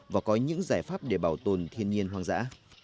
và có những giải pháp để bảo tồn thiên nhiên hoang dã